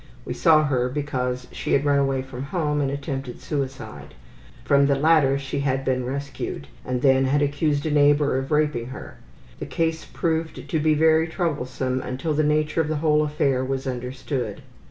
We saw her because she had run away from home and attempted suicide. From the latter she had been rescued, and then had accused a neighbor of raping her. The case proved to be very troublesome until the nature of the whole affair was understood.